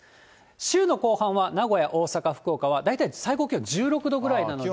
週の後半は名古屋、大阪、福岡は大体最高気温１６度くらいなので。